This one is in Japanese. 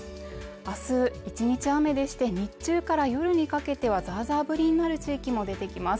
明日１日雨でして日中から夜にかけてざあざあぶりになる地域も出てきます。